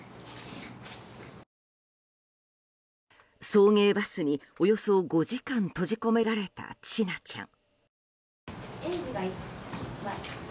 送迎バスにおよそ５時間閉じ込められた、千奈ちゃん。